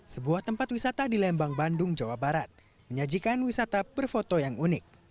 sebuah tempat wisata di lembang bandung jawa barat menyajikan wisata berfoto yang unik